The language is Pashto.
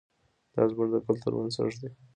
دا زموږ د کلتور بنسټ دی.